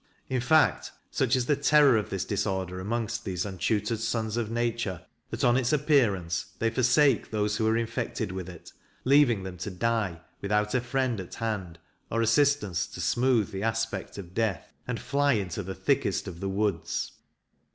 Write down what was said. In fact, such is the terror of this disorder amongst these untutored sons of nature, that, on its appearance, they forsake those who are infected with it, leaving them to die, without a friend at hand, or assistance to smooth the aspect of death, and fly into the thickest of the woods.